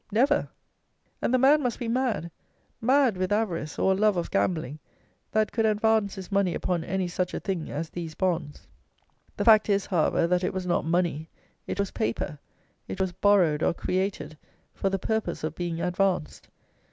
Never; and the man must be mad; mad with avarice or a love of gambling, that could advance his money upon any such a thing as these bonds. The fact is, however, that it was not money: it was paper: it was borrowed, or created, for the purpose of being advanced.